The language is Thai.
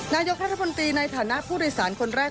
นายกรัฐมนตรีในฐานะผู้โดยสารคนแรก